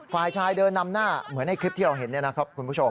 ฝ่ายชายเดินนำหน้าเหมือนในคลิปที่เราเห็นนะครับ